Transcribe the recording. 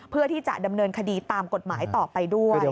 เพื่อที่จะดำเนินคดีตามกฎหมายต่อไปด้วย